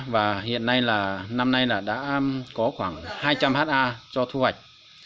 và hiện nay là năm nay là đã có khoảng hai trăm linh ha cho thu hoạch